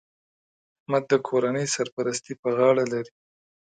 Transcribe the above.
احمد د کورنۍ سرپرستي په غاړه لري